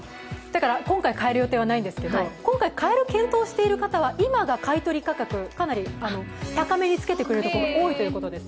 今回、かえる予定はないんですけど今回、かえる検討をしている人は今が買い取り価格、かなり高めにつけてくれるところが多いということです。